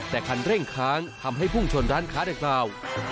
แต่คันเร่งค้างทำให้พุ่งชนร้านค้าดังกล่าว